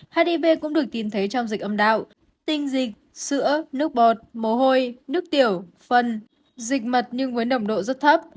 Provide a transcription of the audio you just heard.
hiv cũng được tìm thấy trong dịch âm đạo tinh dịch sữa nước bọt mồ hôi nước tiểu phân dịch mật nhưng với nồng độ rất thấp